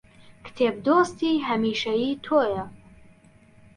کتێب دۆستی هەمیشەیی تۆیە